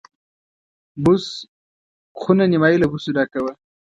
بوس خونه نیمایي له بوسو ډکه وه.